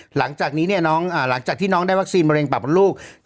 หลังจากที่น้องได้วัคซีนมะเร็งปรับมนุก